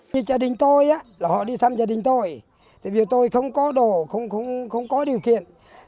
như gia đình tôi họ đi thăm gia đình tôi tôi không có đồ không có điều kiện